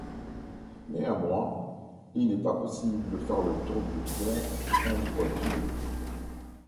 Néanmoins il n'est pas possible de faire le tour du pont en voiture.